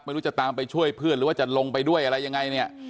ไม่รู้จะตามไปช่วยเพื่อนหรือว่าจะลงไปด้วยอะไรยังไงเนี่ย